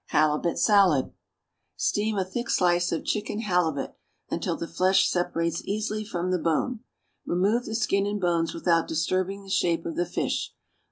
=Halibut Salad.= Steam a thick slice of chicken halibut, until the flesh separates easily from the bone. Remove the skin and bones without disturbing the shape of the fish.